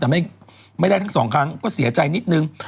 แต่ไม่ได้ทั้งสองครั้งก็เสียใจนิดนึง